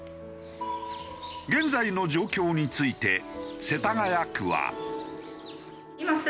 現在の状況について世田谷区は。